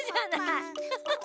フフフフ。